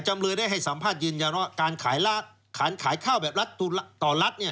จำเลยได้ให้สัมภาษณ์ยืนยันว่าการขายข้าวแบบรัฐต่อรัฐ